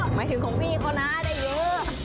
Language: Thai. หมายถึงของพี่เขานะได้เยอะ